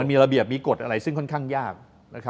มีระเบียบมีกฎอะไรซึ่งค่อนข้างยาก